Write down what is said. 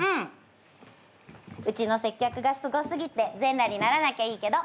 うちの接客がすごすぎて全裸にならなきゃいいけど。